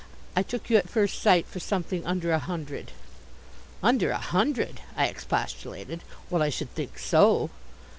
I took you at first sight for something under a hundred." "Under a hundred?" I expostulated. "Well, I should think so!"